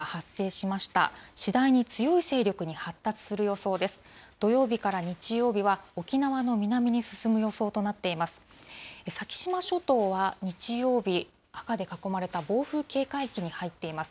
土曜日から日曜日は沖縄の南に進む予想となっています。